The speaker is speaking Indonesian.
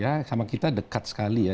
ya sama kita dekat sekali ya